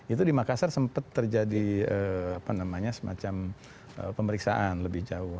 itu di makassar sempat terjadi semacam pemeriksaan lebih jauh